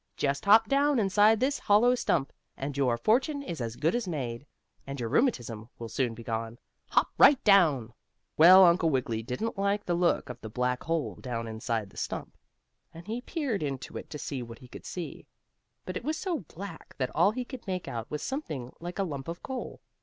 "Just hop down inside this hollow stump, and your fortune is as good as made, and your rheumatism will soon be gone. Hop right down." Well, Uncle Wiggily didn't like the looks of the black hole down inside the stump, and he peered into it to see what he could see, but it was so black that all he could make out was something like a lump of coal.